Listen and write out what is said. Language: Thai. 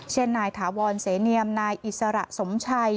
เช่นนายถาวรเสนียมนายอิสระสมชัย